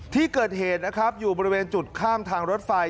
ที่เกิดเหตุนะครับอยู่บริเวณจุดข้ามทางรถไฟ